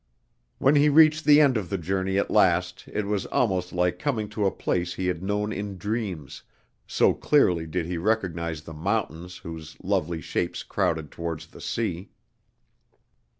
When he reached the end of the journey at last it was almost like coming to a place he had known in dreams, so clearly did he recognize the mountains whose lovely shapes crowded towards the sea.